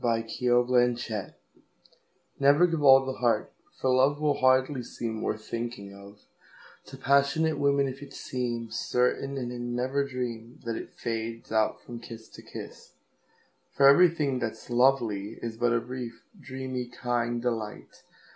B. Yeats 1865 1939Never give all the heart, for loveWill hardly seem worth thinking ofTo passionate women if it seemCertain, and they never dreamThat it fades out from kiss to kiss; For everything that's lovely isBut a brief, dreamy, kind delight.